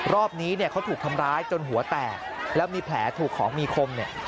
รอบนี้เนี่ยเขาถูกทำร้ายจนหัวแตกแล้วมีแผลถูกของมีคมเนี่ย